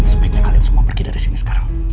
sebaiknya kalian semua pergi dari sini sekarang